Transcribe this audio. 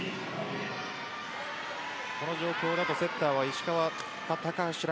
この状況だとセッター石川高橋藍